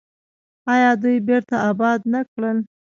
آیا دوی بیرته اباد نه کړل؟